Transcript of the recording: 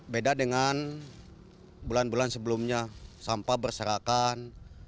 beda dengan bulan bulan sebelumnya sampah berserakan